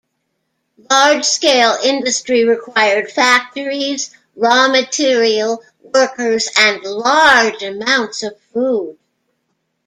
Large-scale industry required factories, raw material, workers, and large amounts of food.